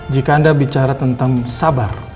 jika anda bicara tentang sabar